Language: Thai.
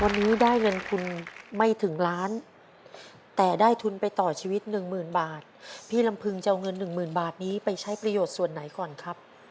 วันนี้ได้เงินทุนไม่ถึงล้านแต่ได้ทุนไปต่อชีวิตหนึ่งหมื่นบาทพี่ลำพึงจะเอาเงินหนึ่งหมื่นบาทนี้ไปใช้ประโยชน์ส่วนไหนก่อนครับ